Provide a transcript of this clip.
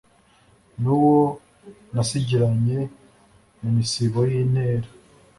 N'uwo nasigiranye mu misibo y'intere,